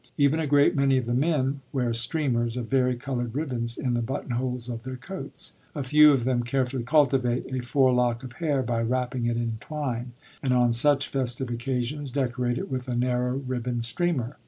Even a great many of the men wear streamers of vari colored ribbons in the buttonholes of their coats. A few of them carefully cultivate a forelock of hair by wrapping it in twine, and on such festive occasions decorate it with a narrow ribbon streamer.